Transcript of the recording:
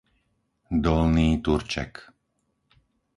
Dolný Turček